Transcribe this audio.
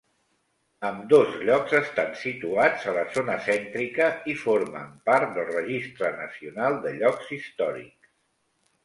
Ambdós llocs estan situats a la zona cèntrica i formen part del Registre Nacional de Llocs Històrics.